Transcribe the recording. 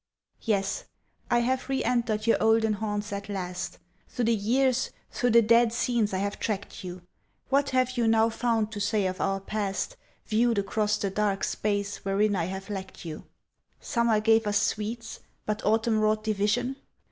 Yes: I have re entered your olden haunts at last; Through the years, through the dead scenes I have tracked you; What have you now found to say of our past— Viewed across the dark space wherein I have lacked you? Summer gave us sweets, but autumn wrought division?